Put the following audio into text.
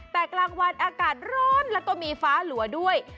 แต่กลางวันอากาศร้อนแล้วก็มีฟ้าหลัวด้วย